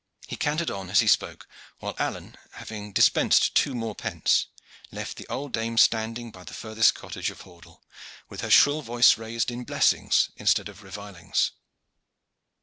He cantered on as he spoke, while Alleyne, having dispensed two more pence, left the old dame standing by the furthest cottage of Hordle, with her shrill voice raised in blessings instead of revilings.